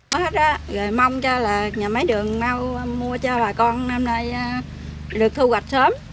mình mong cho là nhà máy đường mau mua cho bà con năm nay được thu hoạch sớm